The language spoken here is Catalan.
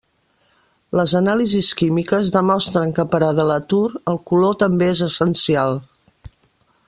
Les anàlisis químiques demostren que, per a De La Tour, el color també és essencial.